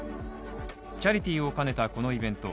チャリティーを兼ねたこのイベント